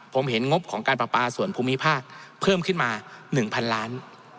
ผมเห็นงบของการประปาส่วนภูมิภาคเพิ่มขึ้นมา๑๐๐๐ล้าน